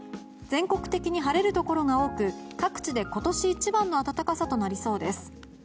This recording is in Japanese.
全国的に晴れるところが多く各地で今年一番の暖かさとなりそうです。